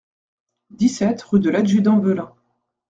dix-sept rue de l'Adjudant Velin